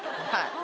はい？